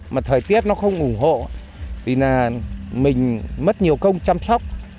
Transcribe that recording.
mà thời tiết nó không ủ hộ thì là mình mất nhiều công chăm sóc